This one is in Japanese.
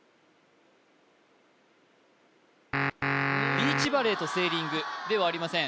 ビーチバレーとセーリングではありません